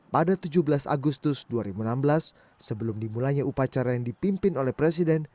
pada tujuh belas agustus dua ribu enam belas sebelum dimulainya upacara yang dipimpin oleh presiden